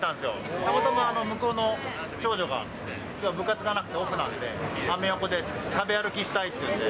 たまたま向こうの長女が部活がなくて、オフなんで、アメ横で食べ歩きしたいって言うんで。